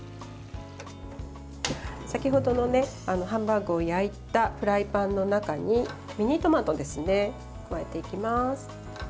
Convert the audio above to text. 先程のハンバーグを焼いたフライパンの中にミニトマトを加えていきます。